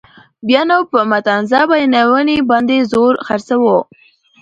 بیا نو په متنازعه بیانونو باندې زور خرڅوو.